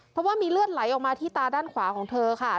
เพราะว่ามีเลือดไหลออกมาที่ตาด้านขวาของเธอค่ะ